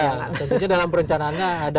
tentunya dalam perencanaannya ada